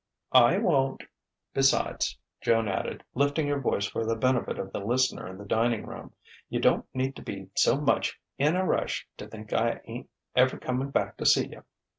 "I won't." "Besides," Joan added, lifting her voice for the benefit of the listener in the dining room, "you don't need to be so much in a rush to think I ain't ever coming back to see you.